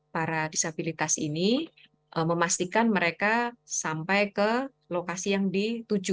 para disabilitas ini memastikan mereka sampai ke lokasi yang dituju